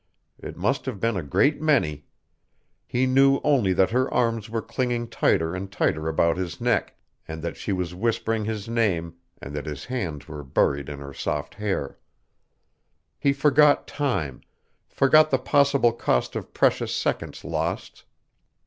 It must have been a great many. He knew only that her arms were clinging tighter and tighter about his neck, and that she was whispering his name, and that his hands were buried in her soft hair. He forgot time, forgot the possible cost of precious seconds lost.